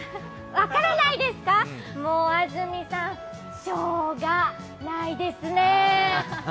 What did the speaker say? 分からないですか、安住さん、しょうがないですね。